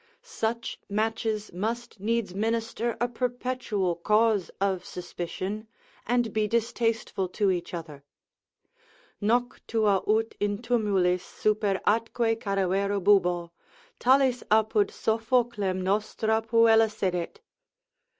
such matches must needs minister a perpetual cause of suspicion, and be distasteful to each other. Noctua ut in tumulis, super atque cadavera bubo, Talis apud Sophoclem nostra puella sedet.